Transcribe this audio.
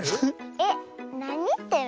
えっなにってる？